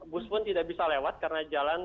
bus pun tidak bisa lewat karena jalan